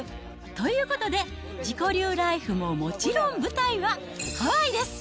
ということで、自己流ライフももちろん舞台はハワイです。